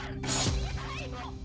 ini salah ibu